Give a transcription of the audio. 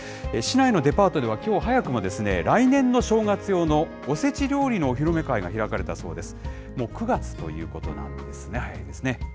市内のデパートでは、きょう早くも来年の正月用のおせち料理のお披露目会が開かれたそうです。